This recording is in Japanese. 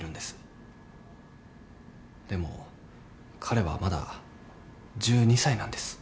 でも彼はまだ１２歳なんです。